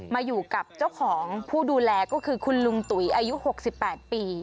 มาอยู่กับเจ้าของผู้ดูแลก็คือคุณลุงตุ๋ยอายุ๖๘ปี